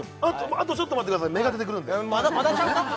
あとちょっと待ってください芽が出てくるんでまだちゃうか？